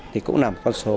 thì cũng là một con số